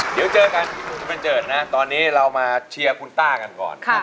เดี๋ยวเจอกันคุณบัญเจิดนะตอนนี้เรามาเชียร์คุณต้ากันก่อน